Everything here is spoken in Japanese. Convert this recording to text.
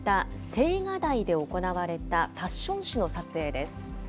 青瓦台で行われたファッション誌の撮影です。